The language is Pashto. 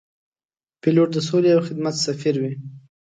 پیلوټ د سولې او خدمت سفیر وي.